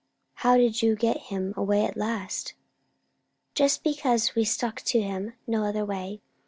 "How did you get him away at last?" "Just because we stuck to him. No other way.